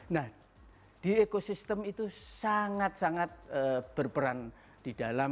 nah di ekosistem itu sangat sangat berperan di dalam